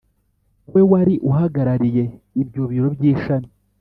we wari uhagarariye ibyo biro by ishami